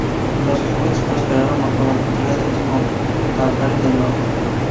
Los Hobbits prosperan bajo la tutela de los Montaraces del Norte.